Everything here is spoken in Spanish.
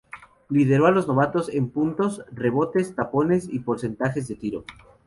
Lideró a los novatos en puntos, rebotes, tapones y porcentajes de tiro.